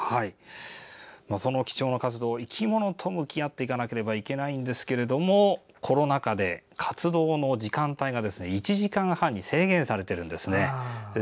その貴重な活動生き物と向き合っていかなきゃいけないんですがコロナ禍で活動の時間帯が１時間半に制限されているんです。